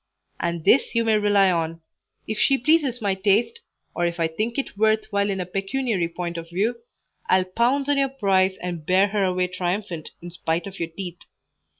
And this you may rely on: if she pleases my taste, or if I think it worth while in a pecuniary point of view, I'll pounce on your prize and bear her away triumphant in spite of your teeth.